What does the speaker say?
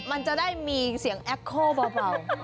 มันจะได้มีเสียงแอคโคลเบา